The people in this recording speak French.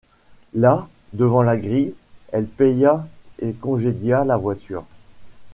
Là, devant la grille, elle paya et congédia la voiture.